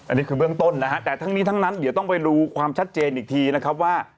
อันนี้คือเบื้องต้นนะฮะแต่ทั้งนี้ทั้งนั้นเดี๋ยวต้องไปดูความชัดเจนอีกทีนะครับว่า